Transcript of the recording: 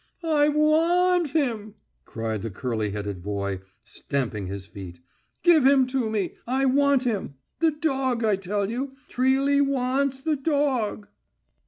"I wa a a nt him," cried the curly headed boy, stamping his feet. "Give him to me! I want him. The dog, I tell you! Trilly wa ants the do og!"